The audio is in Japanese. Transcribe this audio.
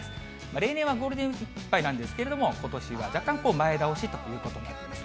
例年はゴールデンウィークいっぱいなんですけど、ことしは若干、前倒しということなんです。